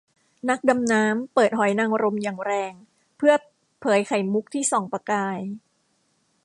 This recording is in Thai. นักดำน้ำเปิดหอยนางรมอย่างแรงเพื่อเผยไข่มุกที่ส่องประกาย